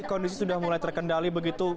kondisi sudah mulai terkendali begitu